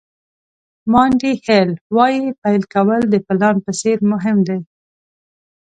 مانډي هیل وایي پیل کول د پلان په څېر مهم دي.